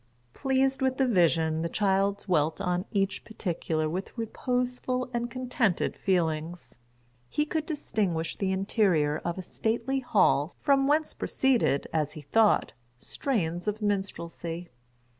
Pleased with the vision, the child dwelt on each particular with reposeful and contented feelings. He could distinguish the interior of a stately hall, from whence proceeded, as he thought, strains of minstrelsy.